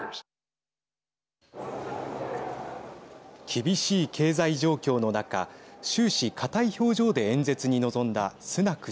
厳しい経済状況の中終始、硬い表情で演説に臨んだスナク